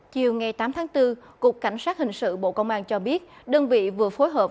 chiều ngày tám tháng bốn cục cảnh sát hình sự bộ công an cho biết đơn vị vừa phối hợp